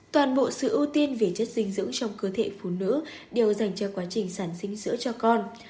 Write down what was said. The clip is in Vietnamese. toàn bộ sự ưu tiên về chất dinh dưỡng trong cơ thể phụ nữ đều dành cho quá trình sản sinh sữa cho con